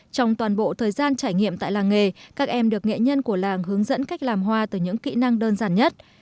trong toàn bộ thời gian trải nghiệm tại làng nghề các em được nghệ nhân của làng hướng dẫn cách làm hoa từ những kỹ năng đơn giản nhất